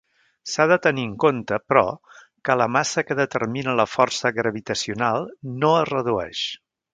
S'ha de tenir en compte, però, que la massa que determina la força gravitacional "no" es redueix.